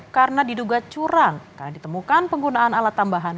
karena diduga curang karena ditemukan penggunaan alat tambahan